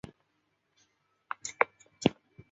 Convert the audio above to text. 元朝初年废除。